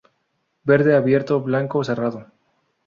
Verde, abierto; blanco, cerrado.